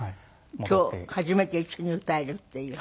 今日初めて一緒に歌えるっていう。